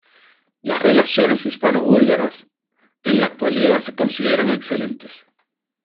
Las relaciones hispano-búlgaras en la actualidad se consideran excelentes.